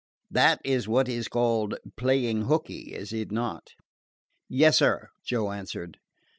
"That is what is called 'playing hooky,' is it not?" "Yes, sir," Joe answered.